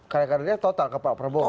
kadernya total ke pak prabowo